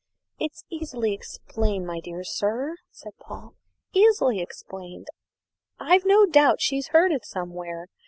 "It's easily explained, my dear sir," said Paul; "easily explained. I've no doubt she's heard it somewhere.